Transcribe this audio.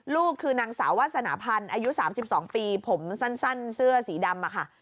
ลูกคือนางสาววาสนาพันธ์อายุ๓๒ปีผมสั้นเสื้อสีดำค่ะ